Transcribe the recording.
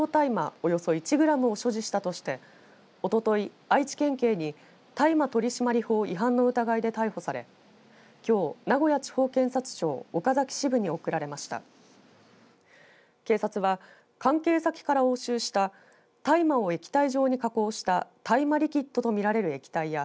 およそ１グラムを所持したとしておととい愛知県警に大麻取締法違反の疑いで逮捕されきょう名古屋地方検察庁岡崎支部に送られました警察は関係先から押収した大麻を液体状に加工した大麻リキッドと見られる液体や